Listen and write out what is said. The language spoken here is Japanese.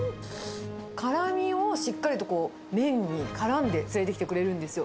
辛みをしっかりと麺にからんで連れてきてくれるんですよ。